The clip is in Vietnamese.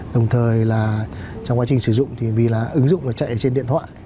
đồng thời trong quá trình sử dụng vì ứng dụng chạy trên điện thoại